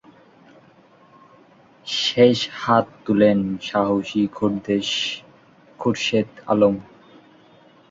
শেষে হাত তোলেন সাহসী খোরশেদ আলম।